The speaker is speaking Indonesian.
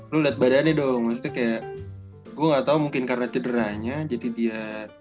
lu lihat badannya dong maksudnya kayak gue gak tau mungkin karena cederanya jadi dia